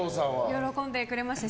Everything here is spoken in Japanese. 喜んでくれました。